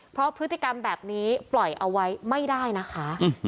เพราะพฤติกรรมแบบนี้ปล่อยเอาไว้ไม่ได้นะคะ